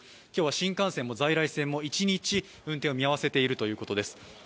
今日は新幹線も在来線も一日運転を見合わせているということです。